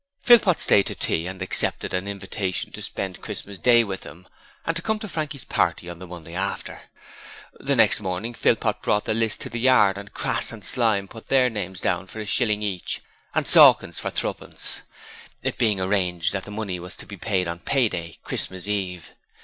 Philpot stayed to tea and accepted an invitation to spend Christmas Day with them, and to come to Frankie's party on the Monday after. The next morning Philpot brought the list to the yard and Crass and Slyme put their names down for a shilling each, and Sawkins for threepence, it being arranged that the money was to be paid on payday Christmas Eve.